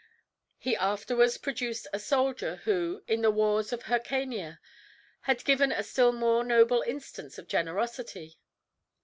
He afterwards produced a soldier who, in the wars of Hircania, had given a still more noble instance of generosity.